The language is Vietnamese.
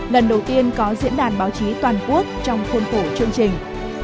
lần đầu tiên có diễn đàn báo chí toàn quốc trong khuôn khổ chương trình